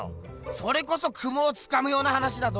それこそ雲をつかむような話だど！